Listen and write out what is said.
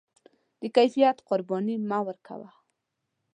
د کیفیت قرباني مه ورکوه.